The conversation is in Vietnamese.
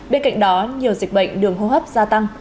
bên cạnh đó nhiều dịch bệnh đường hô hấp gia tăng